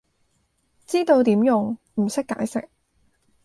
知道點用，唔識解釋